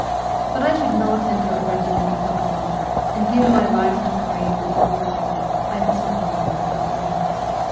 That I should not enter a regiment of the Guard, and give my life to parades and court balls, I had settled long before.